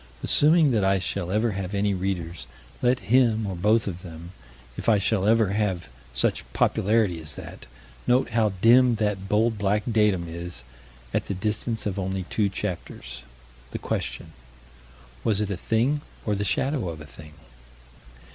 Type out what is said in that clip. Assuming that I shall ever have any readers, let him, or both of them, if I shall ever have such popularity as that, note how dim that bold black datum is at the distance of only two chapters. The question: Was it a thing or the shadow of a thing?